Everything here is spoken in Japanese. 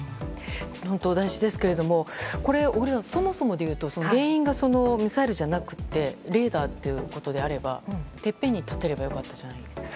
本当に大事ですけども小栗さん、そもそもですが原因がミサイルじゃなくてレーダーということであればてっぺんに立てれば良かったじゃないですか。